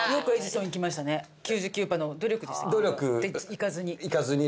いかずに。